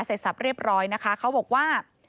สับเรียบร้อยนะคะเขาบอกว่า